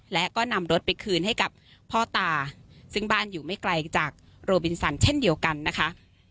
และก็นำรถไปคืนให้กับพ่อตาซึ่งบ้านอยู่ไม่ไกลจากโรบินสันเช่นเดียวกันนะคะ